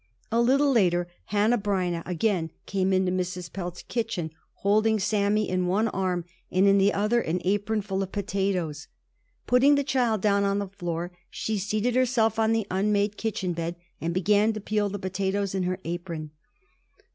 A little later Hanneh Breineh again came into Mrs. Pelz's kitchen, holding Sammy in one arm and in the other an apron full of potatoes. Putting the child down on the floor, she seated herself on the unmade kitchen bed and began to peel the potatoes in her apron.